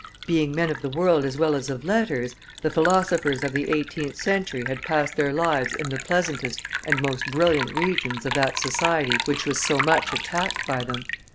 "Being men of the world as well as of letters, the philosophers of the eighteenth century had passed their lives in the pleasantest and most brilliant regions of that society which was so much attacked by them.